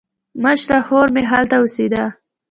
مشره خور مې هلته اوسېده.